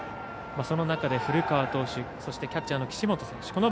その中で古川投手そして、キャッチャーの岸本選手